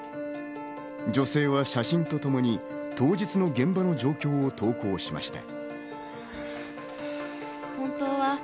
女性は写真とともに当日の現場の状況を投稿しました。